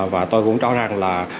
và tôi cũng cho rằng là